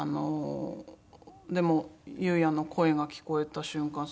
でも裕也の声が聞こえた瞬間